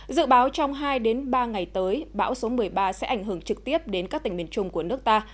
dự báo trong hai ba ngày tới bão số một mươi ba sẽ ảnh hưởng trực tiếp đến các tỉnh miền trung của nước ta